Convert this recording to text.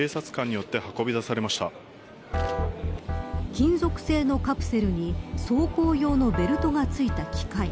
金属製のカプセルに走行用のベルトが着いた機械。